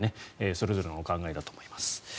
それぞれのお考えだと思います。